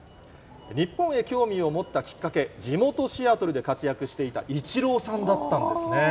日本へ興味を持ったきっかけ、地元、シアトルで活躍していたイチローさんだったんですね。